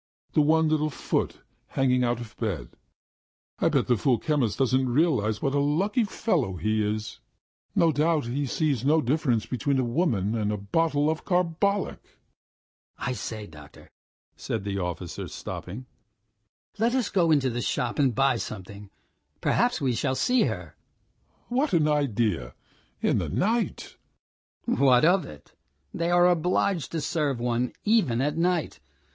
.. and one little foot hanging out of bed. I bet that fool the chemist doesn't realise what a lucky fellow he is. ... No doubt he sees no difference between a woman and a bottle of carbolic!" "I say, doctor," said the officer, stopping. "Let us go into the shop and buy something. Perhaps we shall see her." "What an idea in the night!" "What of it? They are obliged to serve one even at night.